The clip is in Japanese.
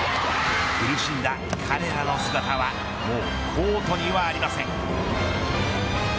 苦しんだ彼らの姿はもう、コートにはありません。